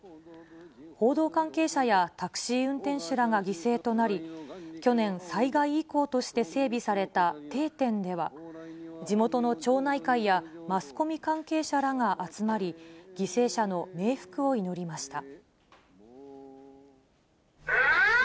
報道関係者やタクシー運転手らが犠牲となり、去年、災害遺構として整備された定点では、地元の町内会やマスコミ関係者らが集まり、犠牲者の冥福を祈りました。